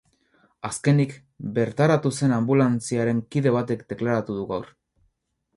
Azkenik, bertaratu zen anbulantziaren kide batek deklaratu du gaur.